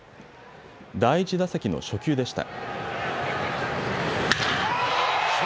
第１打席の初球でした。